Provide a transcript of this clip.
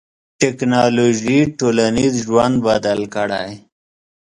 ټکنالوژي ټولنیز ژوند بدل کړی.